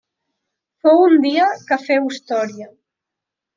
Fou un dia que féu història.